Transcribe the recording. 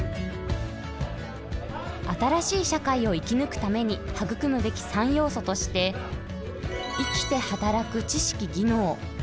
新しい社会を生き抜くために育むべき３要素として「生きて働く知識技能」